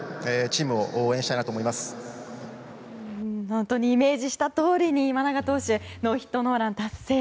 本当にイメージしたとおりに今永投手ノーヒットノーラン達成。